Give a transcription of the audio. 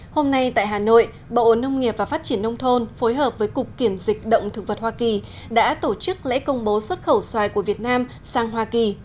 hôm nay tại hà nội bộ nông nghiệp và phát triển nông thôn phối hợp với cục kiểm dịch động thực vật hoa kỳ đã tổ chức lễ công bố xuất khẩu xoài của việt nam sang hoa kỳ